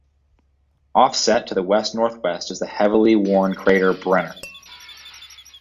Offset to the west-northwest is the heavily worn crater Brenner.